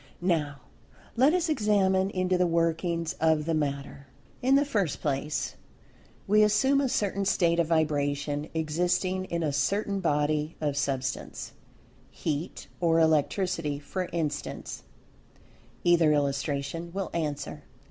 Now let us examine into the workings of the matter. In the first place, we assume a certain state of vibration, existing in a certain body of Substance—Heat, or Electricity for instance (either illustration will answer.)